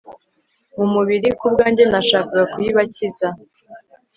mu mubiri, ku bwanjye nashaka kuyibakiza